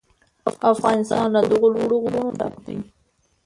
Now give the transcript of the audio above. افغانستان له دغو لوړو غرونو ډک دی.